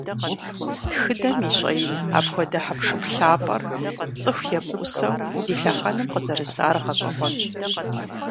Тхыдэм и щIэин апхуэдэ хьэпшып лъапIэр, цIыху емыIусэу, ди лъэхъэнэм къызэрысар гъэщIэгъуэнщ.